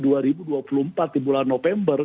di bulan november